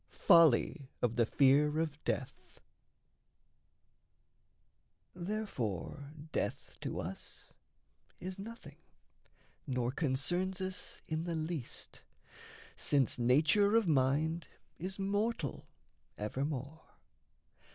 FOLLY OF THE FEAR OF DEATH Therefore death to us Is nothing, nor concerns us in the least, Since nature of mind is mortal evermore.